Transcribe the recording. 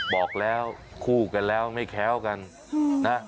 บอกแล้วคู่กันแล้วไม่แค้วกันนะ